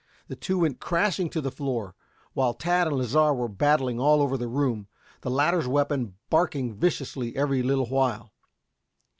The two went crashing to the floor, while Tad and Lasar were battling all over the room, the latter's weapon barking viciously every little while.